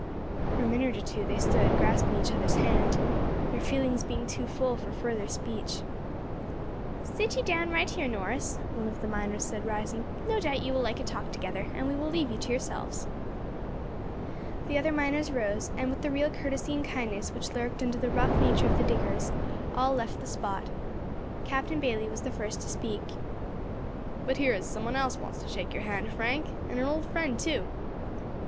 For a minute or two they stood grasping each other's hand, their feelings being too full for further speech. "Sit you down right here, Norris," one of the miners said, rising, "no doubt you will like a talk together, and we will leave you to yourselves." The other miners rose, and with the real courtesy and kindness which lurked under the rough nature of the diggers, all left the spot. Captain Bayley was the first to speak. "But here is some one else wants to shake your hand, Frank, an old friend too."